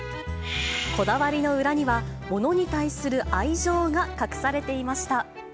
こだわりの裏には、物に対する愛情が隠されていました。